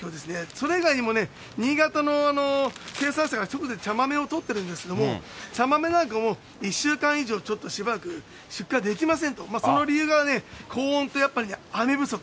それ以外にもね、新潟の生産者が直でちゃ豆をとってるんですけれども、ちゃ豆なんかも１週間以上、ちょっとしばらく出荷できませんと、その理由がね、高温とやっぱりね、雨不足。